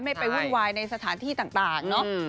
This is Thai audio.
ไม่ไปวุ่นวายในสถานที่ต่างเนาะ